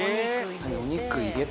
「はいお肉入れた。